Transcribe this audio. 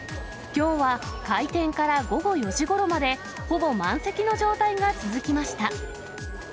きょうは開店から午後４時ごろまで、ほぼ満席の状態が続きました。